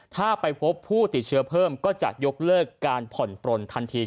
ถ้าไปพบผู้ติดเชื้อเพิ่มก็จะยกเลิกการผ่อนปลนทันที